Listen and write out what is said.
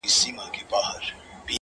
د ژوند په څو لارو كي-